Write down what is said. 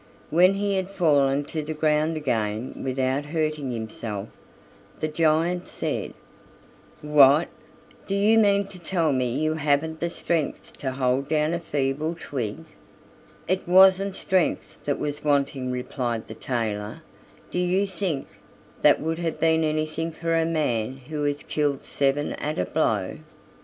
When he had fallen to the ground again without hurting himself, the giant said: "What! do you mean to tell me you haven't the strength to hold down a feeble twig?" "It wasn't strength that was wanting," replied the tailor; "do you think that would have been anything for a man who has killed seven at a blow?